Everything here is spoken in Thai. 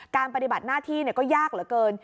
ปฏิบัติหน้าที่ก็ยากเหลือเกิน